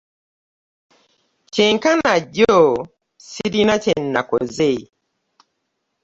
Kyenkana jjo ssirina kye nakoze.